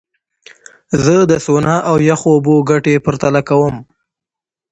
زه د سونا او یخو اوبو ګټې پرتله کوم.